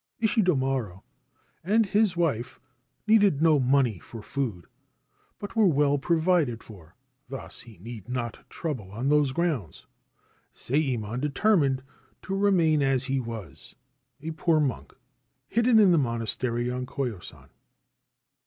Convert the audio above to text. Ishidomaro and his wife needed no money or food, but were well provided for ; thus he need not trouble on those grounds. Sayemon determined to remain as he was, a poor monk, hidden in the monastery on Koya San.